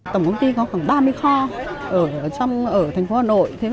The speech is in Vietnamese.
tổng công ty có khoảng ba mươi kho ở thành phố hà nội